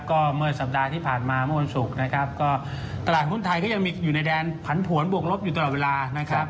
ก็เมื่อสัปดาห์ที่ผ่านมาเมื่อวันศุกร์นะครับก็ตลาดหุ้นไทยก็ยังมีอยู่ในแดนผันผวนบวกลบอยู่ตลอดเวลานะครับ